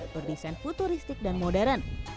berdesain futuristik dan modern